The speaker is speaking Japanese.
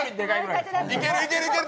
いけるいける！